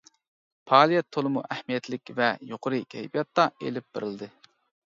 پائالىيەت تولىمۇ ئەھمىيەتلىك ۋە يۇقىرى كەيپىياتتا ئېلىپ بېرىلدى.